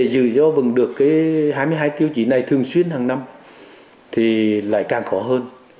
giữ vững được cái hai mươi hai tiêu chí này thường xuyên hàng năm thì lại càng khó hơn